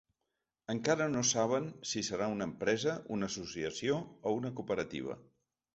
Encara no saben si seran una empresa, una associació o una cooperativa.